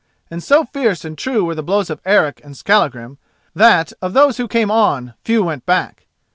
And so fierce and true were the blows of Eric and Skallagrim that of those who came on few went back.